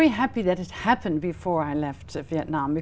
đi ra ngoài nhìn thấy người việt